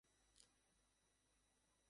যদি না আমি তোমায় আগে ধরেছি।